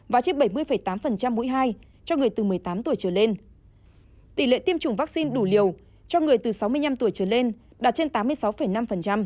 và chiếm bảy mươi tám mũi hai cho người từ một mươi tám tuổi trở lên tỷ lệ tiêm chủng vaccine đủ liều cho người từ sáu mươi năm tuổi trở lên đạt trên tám mươi sáu năm